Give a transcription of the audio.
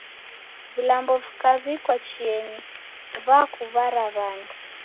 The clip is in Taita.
Vilambo vikaw'ikwa chienyi vakuw'ara w'andu.